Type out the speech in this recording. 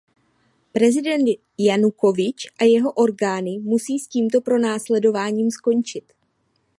Prezident Janukovič a jeho orgány musí s tímto pronásledováním skončit.